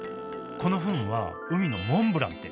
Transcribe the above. このフンは海のモンブランって。